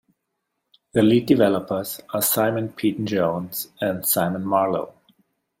The lead developers are Simon Peyton Jones and Simon Marlow.